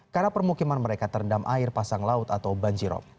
karena permukiman mereka terendam air pasang laut atau banjirop